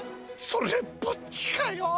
それっぽっちかよ。